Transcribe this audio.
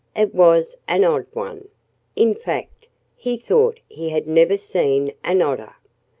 It was an odd one. In fact, he thought he had never seen an odder.